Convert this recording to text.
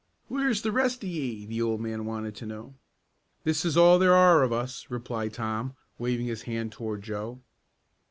"Where's the rest of ye?" the old man wanted to know. "This is all there are of us," replied Tom, waving his hand toward Joe.